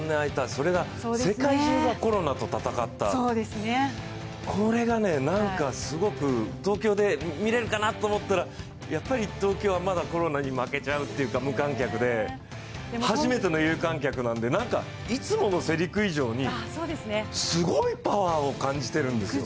それが世界中がコロナと闘った、これが何かすごく、東京で見れるかなと思ったらやっぱり東京はまだコロナに負けちゃうというか無観客で、初めての有観客なので、いつもの世陸以上に、すごいパワーを感じているんですよ。